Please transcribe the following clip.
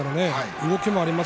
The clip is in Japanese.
動きもあります。